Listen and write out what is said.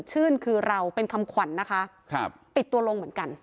ชื่นคือเราเป็นคำขวัญนะคะครับปิดตัวลงเหมือนกัน